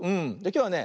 きょうはね